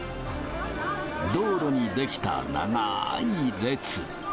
道路に出来た長ーい列。